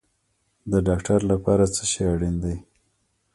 د ډاکټر لپاره څه شی اړین دی؟